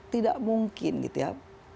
tidak mungkin gitu ya